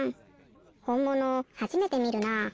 ほんものはじめてみるなあ。